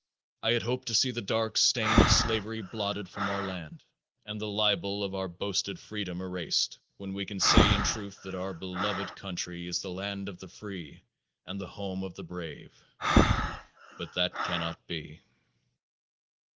I had hoped to see the dark stain of slavery blotted from our land, and the libel of our boasted freedom erased, when we can say in truth that our beloved country is the land of the free and the home of the brave; but that cannot be.